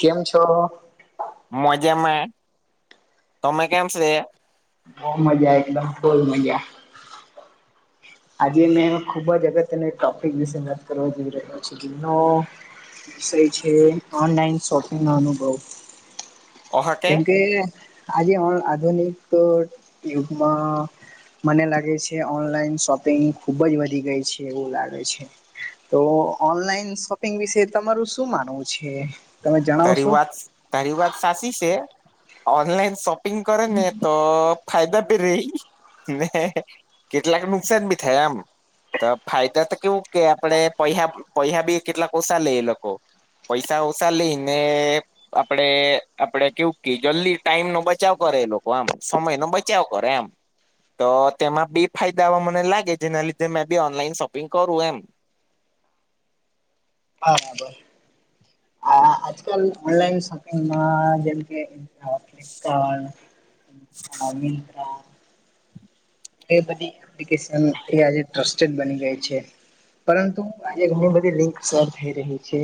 કેમ છો. મજામાં તમે કેમ છ. બહ મજા એકદમ ખૂલ મજા. આજે મેં ખૂબ જ અગત્યનો ટોપિક વિશે વાત કરવા જઈ રહ્યો છ. દરી છે ઓનલાઈન શોપિંગ ન અનુભવ. ઓહકે કેમકે આજે આધુનિક યુગમાં. મને લાગે છે ઓનલાઈન શોપિંગ ખૂબ જ વધી ગઈ છે એવું લાગે છે. તો ઓનલાઈન શોપિંગ વિશે તમારું શું માનવું છે. તમે તારી જણાવશો? વાત તારી વાત સાચી છે ઓનલાઈન શોપિંગ કરે ને તો. ફાયદા ભી રહી ને કેટલાક નુકસાન ભી થયા આમ તો ફાયદા તો કેવું કે આપણે પ પહ બી કેટલાકસાા લે એ લોકો. પૈસા ઓછા લઈ ને. આપડે આપડે કેવું કે જલ્દી ટાઈમ નો બચાવ કરે એ લોકો આમ સમય નો બચાવ કરે આમ. તો તેમાં બેી ફાયદાવા મને લાગે જેના લીધે મેં બી ઓનલાઈન શોપિંગ કરું એમ. હા હા બર. આ આજકાલ ઓનલાઈન શોપિંગમાં જેમ કે ફપ રવિન્દ્રા. એ બધી એપ્લિકેશન એ આજે ટ્રસ્ટેડ બની ગઈ છે. પરંતુ આજે ઘણી બધી લિંક શેર થઈ રહી છે.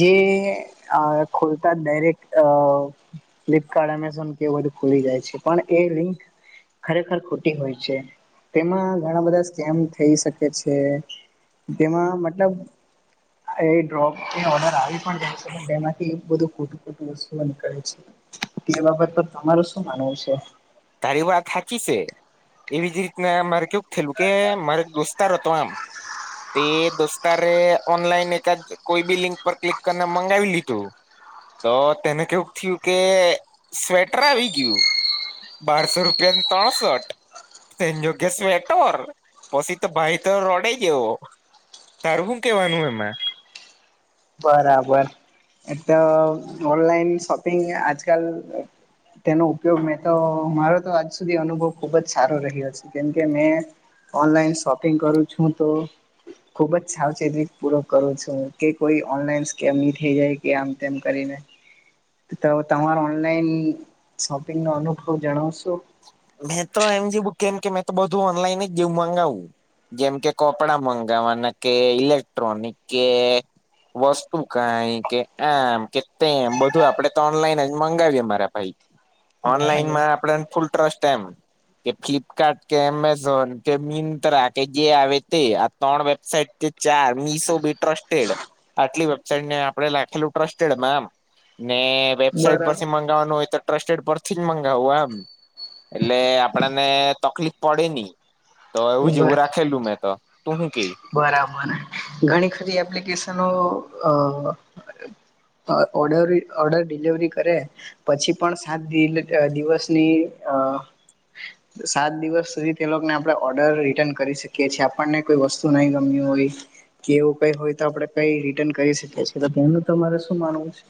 જે ખોલ ડાયરેક્ટ અ ફ્લિપકાર્ટ એમેઝોન કેવું બધું ખુલી જાય છે પણ એ લિંક ખરેખર ખ તેમાં ઘણા બધા સ્કેમ થઈ શકે છે. તેમાં મતલબ. એ ડ્રોપ એ ઓર્ડર આવી પણ જાય છે પણ એમાંથી બધું ખોટું ખોટું વસ્તુઓ નીકળે છે. તે બાબત તો તમારું શું માનવું છે. ત વા થકીી છે. એવી જ રીતના મારે કેવું થયેલું કે મારે દોસ્તાર હતો આમ તે દોસ્તારે ઓનલાઈન એકાદ કોઈ બી લિંક પર ક્લિક કરીને મગાવી લીધું. તો તેને કેવું થયું કે સ્વેટર આવી ગયું. બારસો રૂપિયા ત્રણસઠ સે જોગસ વેટર પછી તો ભાઈ તો રોડે ગયોો. તારું શું કેવાનું એમાં બરાબર એ તો ઓનલાઈન શોપિંગ આજકાલ. તેનો ઉપયોગ મેં તો મારો તો આજ સુધી અનુભવ ખુબ જ સારો રહ્યો છે કેમકે મેં ઓનલાઈન શોપિંગ કરું છું તો ખુબ જ સાવચે પૂ કરું છું કે. કોઈ ઓનલાઈન કેમ થઇ જાય કે આમ તેમ કરીને. તો હ તમારા ઓનલાઈન શોપિંગનો અનુભવ જણાવશો. મેં તો એમ જેવ કેમ કે મેં તો બધું ઓનલાઈન જ જેવું ગાવું. જેમ કે કપડા મંગાવવાના કે ઇલેક્ટ્રોનિક કે વસ્તુ કઈ કે આમ કે તે એમ બધું આપડે તો ઓનલાઈન જ મંગાવીએ મારા. ભાઈ બરાબર ઓનલાઈનમાં આપડ ફૂલ ટ્રસ્ટ એમ. કે ફ્લિપકાર્ટ કે એમેઝોન કે મિંત્રા કે જે આવે તે આ ત્રણ વેબસાઇટ. કે ચાર મીસો બી ટ્રસ્ટેડ આટલી વેબસાઇટ ને આપણે લખેલું ટ્રસ્ટેડમ. ને વેબસાાઈટ પરથી મગાવવાનું હોય તો ટ્રસ્ટેડ પરથી જ મગાવવું આમ એટલે આપડને તકલીફ પડે નહી તો એવું બરાબર જેવું રાખેલું મેં તો. તો હું કે બરાબર ઘણી ખરી એપ્લિકેશનો અ અ ઓર્ડર ઓર્ડર ડલીવરી કરે પછી પણ સાત દિવસની અ સાત દિવસ સુધી તે લોકોને આપડણે ઓર્ડર રિટર્ન કરી શકીએ છીએ આપણને કોઈ વસ્તુ સુનાની કમી હોય કે એવું કઈ હોય તો આપડણે કઈ રિટર્ન કરી શકીએીએ તેનું તમારે શું માનવું છે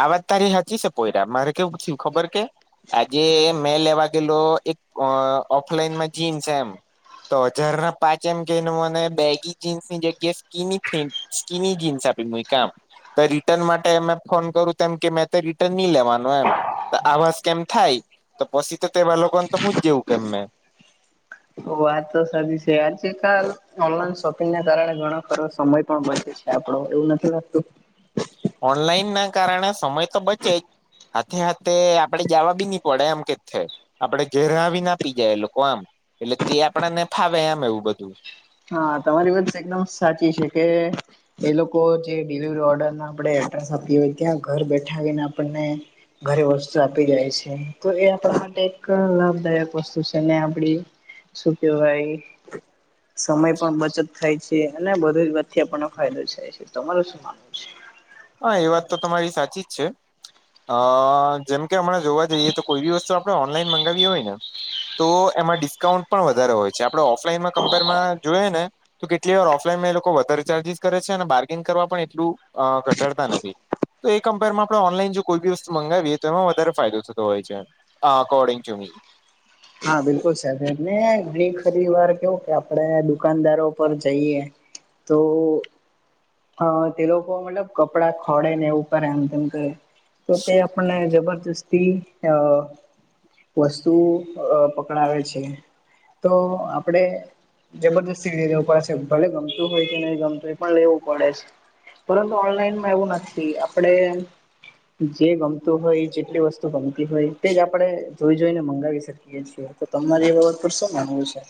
આવાજ તારી હચી છે પોયરા મારે કેવું થય ખબર કે આજે મે લેવા ેલો એક ઓફલાઈનમાં જીન્સ એમ તો હજાર ના પાચે એમ કેને મને બેગી જીન્સ ની જગ્યા સ્કીની ફે સ્કીની જીન્સ આપી કામ તો રિટર્ન માટે અમે ફોન કરું તેમ કે મેં તો રિટર્ન નહ લેવાનું એમ આવાજ કેમ થાય તો પછી તો તેવા લોકોને તો હુંજ જવું કેમં વાત તો સાચ છે આજે કાલ ઓનલાઈન શોપિંગને કારણે ઘણો ખરો સમય પણ બચે છે આપડો એવું નથી લાગતું. ઓનલાઈન ના કારણે સમય તો બચે જ હાથે હથે આપડે જવા બી નહ પડે આમ કે થે. આપડે ઘેર આવીને આપી જાય એ લોકો આમ એટલે તે આપડ ને ફાવે એમ એવું બધું. હા તમારી વાત એકદમ સાચી છે કે એ લોકો જે ડિલિવરી ઓર્ડર આપણે એડ્રેસ આપીએ હો ત્યાં ઘર બેઠા આવીને આપણને ઘરે વસ્તુ આપી જાય છે તો એ આપણા માટે એક લાભદાયક વસ્તુ છે આપડી શું કે ભાઈ. સમય પણ બચત થાય છે અને બધી જ વચચે આપ ફાયદો થાય છે તમારું શું માનવું છે. હા એ વાત તો તમારી સાચી જ છે અ જેમકે હમણાં જોવા જઈએ તો કોઈ બી વસ્તુ આપણે ઓનલાઈન મંગાવી હોય ને તો એમાં ડિસ્કાઉન્ટ પણ વધારે હોય છે આપણે ઓફલાઈનમાં કમ્પેરમાં જોઈએ ને તો કેટલી વાર ઓફલાઈનમાં એ લોકો વધતારે ચાર્જિસ કરે છે અને બાર્ગિંગ કરવા પણ એટલું ઘટડતા નથી. તો એ કમ્પેરમાં આપણે ઓનલાઈન જો કોઈ બી વસ્તુ મંગગાવીએ તો એમાં વધારે ફાયદો થતો હોય છે. According to me. હા બિલકુલ સાને ઘણી ખરી વાર કેવું કે આપડે દુકાનદારો પર જઈએ. તો હ તે લોકો મતલબ કપડા ખોડે ને એવું ઉપર એમ તેમ તો તે આપણને જબરજસ્તી અ વસ્તુ અ પકડાવે છે તો આપણેે જબરદસ્તી સીડી લેવું પડે છે ભલે ગમતું હોય કે નહી ગમતું હો એ પણ લેવું પડે છે. પરંતુ ઓનલાઈનમાં એવું નથી આપડે જે ગમતું હોય એ જેટલી વસ્તુ તો ગમતી હોય તે જ આપડણે જોઈ જોઈને મંગાવી શકીએ. છી તો તમારી [unintelligible] પર શું માનવું છે.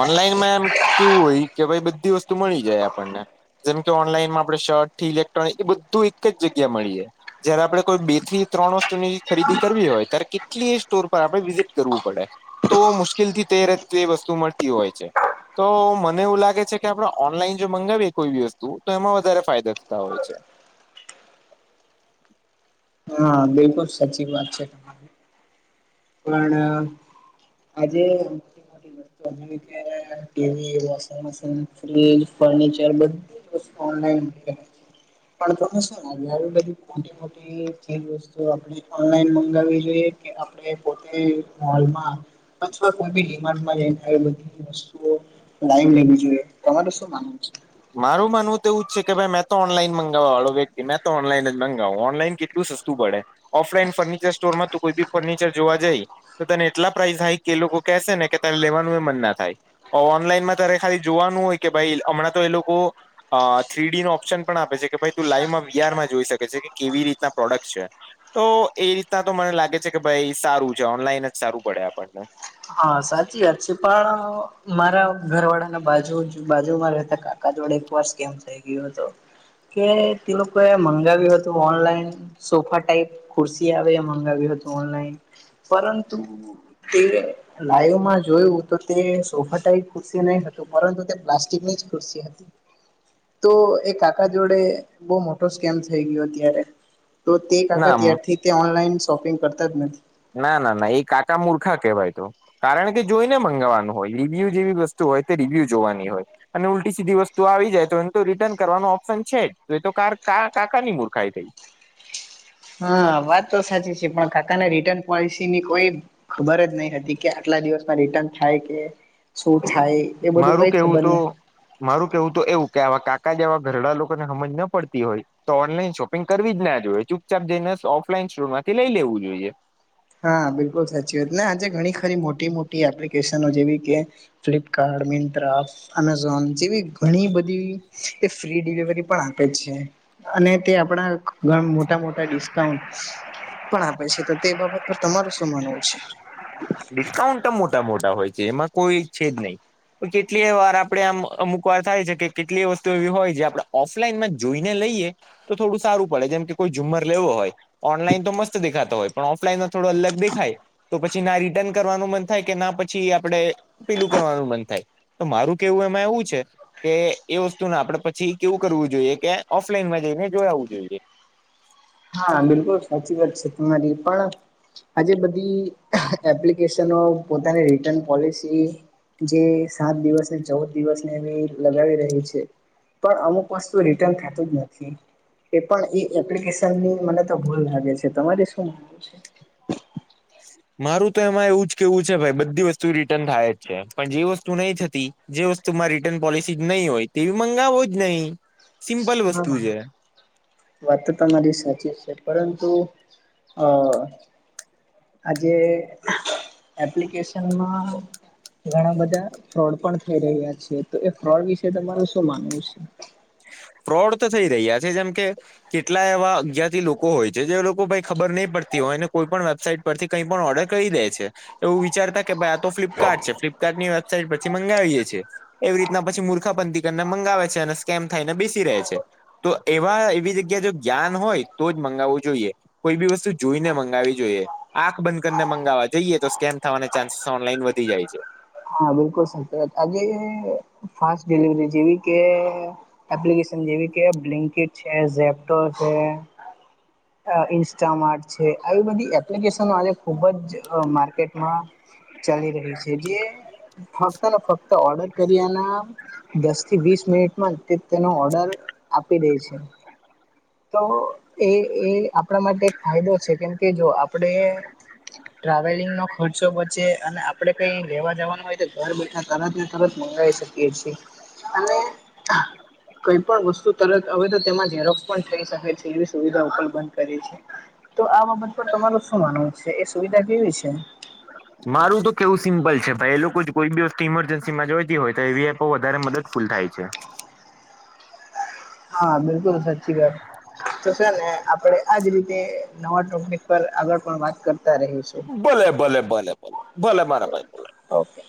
ઓનલાઈન માં એમ કેવું હોય કે ભાઈ બધી વસ્તુ મળી જાય આપણને. જેમ કે ઓનલાઈનમાં આપણે શર્ટ થી ઇલેક્ટ્રોનિક એ બધું એક જ જગ્યા મળી જાય. જયારે આપડણે કોઈ બે થી ત્રણ વસ્તુની ખરીદી કરવી હોય ત્યારે કેટલી સ્ટોર પર આપણે વિઝિટ કરવું પડે. તો મુશ્કેલ થી તે ર તે વસ્તુ મળતી હોય છે. તો મને એવું લાગે છે કે આપડે ઓનલાઈન જો મંગાવીએ કોઈ બી વસ્તુ તો એમાં વધારે ફાયદા થતા હોય છે. હા બિલકુલ સાચી વાત છે તમારી પણ આજે ક્યારે TV washing machine fridge furniture બધું [inaudible] [unintelligible] બધી મોટી મોટી વતુ આપણે ઓનલાઈન મંગાવવી જોઈએ કે આપણે પોતે મોલમાં અથવા કોઈ બી ડિમાડમાંને આવી બધી વસ્તુઓ ટાઈમ લેવી જોઈએ તમારે શું માનવુ છે. મારું માનવું એવું છે કે ભાઈ મે તો ઓનલાઈન મંગાવવા વાળો વ્યક્તિ મેં તો ઓનલાઈન જ મગાવ ઓનલાઈન કેટલું સસ્તું પડે ઓફલાઈન ફર્નિચર સ્ટોરમાં ત કોઈ બી ફર્નિચર જોવા જાય. તો તને એટલા પ્રાાઈઝ હાય કે એ લોકો કેસે ને કે તને લેવાનું એ મન ના થાય ઓનલાઈનમાં તરે ખાલી જોવાનું હોય કે ભાઈ હમણાં તો એ લોકો અ થ્રી ડી નો ઓપ્શન પણ આપે છે કે ભાઈ તું લાઈવમાં વીઆરમાં જોઈ શકે છે કે કેવી રીતના પ્રોડક્ટ છે. તો એ રીતના તો મને લાગે છે કે ભાઈ સારું છે ઓનલાઈન જ સારું પડે આપણને. હા સાચી વાત છે પણ મારા ઘરવાળા ના બાજુ બાજુમાં રહેતા હતા. દોડ એક વર્ષ કેમ થઈ ગયું હતો કે તે લોકો એ મંગાવ્યું હતું ઓનલાઈન સોફા ટાઈપ ખુરસી આવે મંગાવ્યું હતું ઓનલાઈન પરંતુ [unintelligible] લાઈવમાં જોયું તો તે સોફા ટાઈ ખુરશ નહી હતીું પરંતુ તે પ્લાસ્ટિક ની જ ખુરશ હ તો એ કાકા જોડે બહ મોટો સ્કેમ થઈ ગયો અત્યારે. તો તે કાકા ના ત્યારથી તે ઓનલાઈન શોપિંગ કરતા જ નથી. ના ના ના એ કાચા મૂર્ખા કે વાઈ તો. કારણ કે જોઈને મંગાવવાનું હોય રિવ્યુ જેવી વસ્તુ હોય તે રિવ્યુ જોવાની હોય. અને ઉલટી સીધી વસ્તુ આવી જાય તો એને તો રિટર્ન કરવાનો ઓપ્શન છે જ તો એ તો કાર કા કાકાની મૂર્ખાય થઈ. હા વાત તો સાચી છે પણ કાકાને રિટર્ન પોલિસીની કોઈ ખબર જ નહી હતી કે આટલા દિવસમાં રિટર્ન થાય કે શું થાય. એ બધું મારું કઈ કેવું ખબર ન તો મારું કેવું તો એવું કે આવા કાકા જેવા ઘરડા લોકોને સમજ ન પડતી હોય તો ઓનલાઈન શોપિંગ કરવી જ ના જોઈએ ચૂપચાપ જઈને ઓફલાઈન સ્ટોર માંથી લઈ લેવું જોઈએ. હા બિલકુલ સાચી વાત આજે ઘણી ખરી મોટી મોટી એપ્લિકેશનો જેવી કે ફ્લિપકાર્ડ, મિત્રા એપ અમેઝોન જેવી ઘણી બધી એ ફ્રી ડિલિવરી પણ આપે છે. અને તે આપણા ઘ મોટા મોટા ડિસ્કાઉન્ટ પણ આપે છે. તો તે બાબત પર તમારું શું માનવું છે? ડિસ્કાઉન્ટ તો મોટા મોટા હોય છે એમાં કોઈ છે જ નહી. કેટલી વાર આપડે આમ અમુક વાર થાય છે કે કેટલી વસ્તુ એવી હોય જે આપ લનમાં જોઈને લઈએ તો થોડું સારું પડે જેમ કે કોઈ ઝુંમર લેવો હોય ઓનલાઈન તો મસ્ત દેખાતો હોય પણ ઓફલાઈન થોડો અલગ દેખાય તો પછી ર રિટન કરવાનું મન થાય કે ના પછી આપડે પીલું કરવાનું મન થાય. તો મારું કેવું એમાં એવું છે કે એ વસ્તુ ના આપડે પછી કેવું કરવું જોઈએ કે ઓફલાઈનમાં જઈને જો આવવું જોઈએ. હા બિલકુલ સાચી વાત છે. તમારી પણ આજે બધી એપ્લિકેશનો પોતાની રિટર્ન પોલિસી જે સાત દિવસ ને ચૌદ દિવસ ને એવી લગાવી રહી છે. પણ અમુક વસ્તુ રિટન થતું જ નથી એ પણ્ ની મને તો ભૂલ લાગે છે. તમારી શું છે? મારું તો એમાં એવું જ કેવું છે ભાઈ બધી વસ્તુ રિટર્ન થાય જ છે પણ જે વસ્તુ નહી થતી જે વસ્તુ મા રિટર્ન પોલિસી જ નહીં હોય તે મંગાવો જ નહી. હા. વાત તો તમારી સાચી છે. પરંતુ અ આજે એપ્લિકેશનમાં ઘણા બધા ફ્રોડ પણ થઈ રહ્યા છે. તો એ ફ્રોડ વિશે તમાર શું માનવું છે? ફ્રોડ તો થઈ રહ્યા છે જેમ કે કેટલા એવા અગ્ઞથી લોકો હોય છે જે લોકો ભ ખબર નહી પડતી હોય ને કોઈ પણ વેબસાાઈટ પરથી કઈ પણ ઓર્ડર કરી દે છે. એવું વિચારતા કે ભાઈ આ તો ફ્લિપકાર્ટ છે ફ્લિપકાર્ટની વેબસાાઈટ પછી મંગાવીએ છીએ. એવી રીતના પછી મૂર્ખાપંથીકને મંગાવે છે અને સ્કેમ થાયને બેસી રહે છે. તો એવા એવી જગ્યા જો જ્ઞાન હોય તો જ મંગાવવું જોઈએ. કોઈ બી વસ્તુ જોઈને મંગાવી જોઈએ. આંખ બંધ કરીને મગાવવા જઈએ તો સ્કેમ થવાને ચાન્સ ઓનલાઈન વધી જાય છે. હા બિલકુલ સાચી વાત આજે ફાસ્ટ ડિલિવરી જેવી કે એપ્લિકેશન જેવી કે બ્લિંકિટ છે જેપ્ટો છે. ઈન્સ્ટામાર્ટ છે આવી બધી એપ્લિકેશનો આજે ખૂબ જ માર્કેટમાં ચાલી રહી છે જે ફક્ત ને ફક્ત ઓર્ડર કર્યાના દસ થી વીસ મિનિટમાં તેનો ઓર્ડર આપી દે છે. તો એ એ આપણા માટે એક ફાયદો છે કેમ કે જો આપણે ટ્રાવેલિંગ નો ખર્ચો પચે અને આપડે કઈ લેવા જવાનું હોય તો ઘર બેઠા તરત ને તરત મંગાવી શકીએ. અને કઈ પણ વસ્તુ તરત હવે તો તેમાં પણ થઈ શકે છે એની સુવિધા પણ ઓપન કરી છે. તો આ બાબત પર તમારું શું માનવું છે એ સુવિધા કેવી છે? મારું તો કેવું સિમ્પલ છે ભાઈ એ લોકો કોઈ બી વસ્તુ ઈમરજન્સી માં જોઈતી હોય તો એવી વધારે મદદ ફૂલ થાય છે. હા બિલકુલ સાચી વાત. તો છે ને આપણે આજ રીતે નવા ટોપિક પર આગળ પણ વાત કરતા રહીશું. ભલે ભલે ભલે ભલે ભલે મારા ભાઈ. ઓકે.